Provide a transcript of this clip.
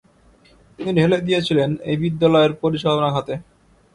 তিনি ঢেলে দিয়েছিলেন এই বিদ্যালয়ের পরিচালন খাতে।